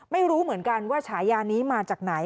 ไม่รู้เหมือนกันว่าฉายานี้มาจากไหน